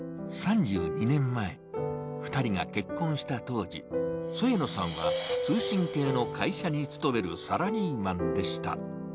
３２年前、２人が結婚した当時、添野さんは通信系の会社に勤めるサラリーマンでした。